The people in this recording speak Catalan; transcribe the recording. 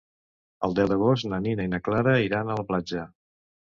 El deu d'agost na Nina i na Clara iran a la platja.